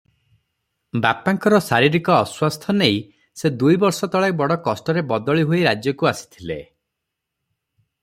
ବାପାଙ୍କର ଶାରୀରିକ ଅସ୍ୱାସ୍ଥ୍ୟ ନେଇ ସେ ଦୁଇବର୍ଷ ତଳେ ବଡ଼ କଷ୍ଟରେ ବଦଳି ହୋଇ ରାଜ୍ୟକୁ ଆସିଥିଲେ!